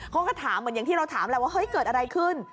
เขาก็ถามเหมือนอย่างที่เราถามแหละว่าเฮ้ยเกิดอะไรขึ้น